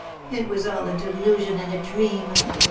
It was all a delusion and a dream.